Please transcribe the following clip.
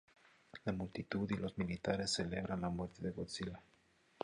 La multitud y los militares celebran la muerte de Godzilla.